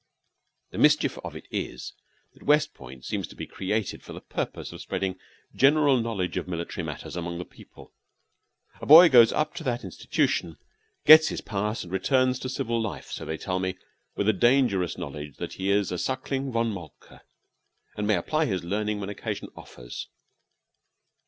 The mischief of it is that West Point seems to be created for the purpose of spreading a general knowledge of military matters among the people. A boy goes up to that institution, gets his pass, and returns to civil life, so they tell me, with a dangerous knowledge that he is a suckling Von Moltke, and may apply his learning when occasion offers.